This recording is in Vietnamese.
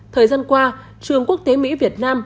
thời gian qua trường quốc tế mỹ việt nam